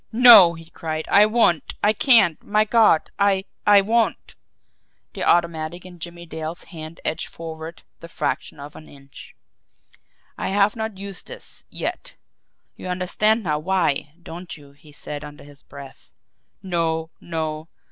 "NO!" he cried. "I won't I can't my God! I I WON'T!" The automatic in Jimmie Dale's hand edged forward the fraction of an inch. "I have not used this yet. You understand now why don't you?" he said under his breath. "No, no!"